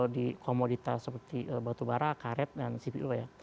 di komoditas seperti batubara karet dan cpo ya